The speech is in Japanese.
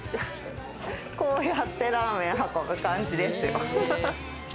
こうやってラーメン運ぶ感じですよ。